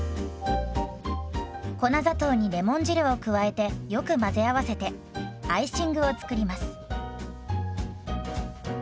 粉砂糖にレモン汁を加えてよく混ぜ合わせてアイシングを作ります。